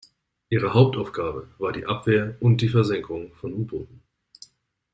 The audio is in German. Ihre Hauptaufgabe war die Abwehr und die Versenkung von U-Booten.